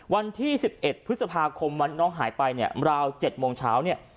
วันที่สิบเอ็ดพฤษภาคมวันนี้น้องหายไปเนี่ยราวเจ็ดโมงเช้าเนี่ย